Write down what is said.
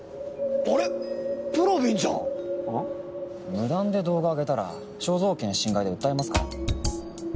無断で動画上げたら肖像権侵害で訴えますから。